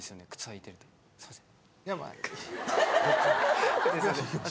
すいません。